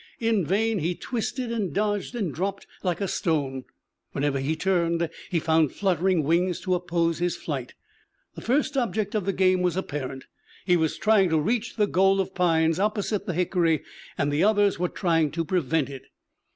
In vain he twisted and dodged and dropped like a stone. Wherever he turned he found fluttering wings to oppose his flight. The first object of the game was apparent: he was trying to reach the goal of pines opposite the hickory, and the others were trying to prevent it.